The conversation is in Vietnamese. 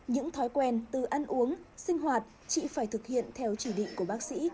những thói quen từ ăn uống sinh hoạt chị phải thực hiện theo chỉ định của bác sĩ